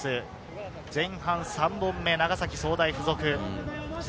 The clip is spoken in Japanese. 前半３本目、長崎総大附属。